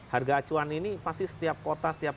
harga acuan ini pasti setiap kota setiap